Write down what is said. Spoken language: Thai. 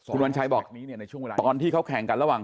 คุณวัญชัยบอกตอนที่เขาแข่งกันระหว่าง